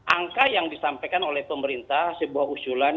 angka yang disampaikan oleh temor minta sebuah usulan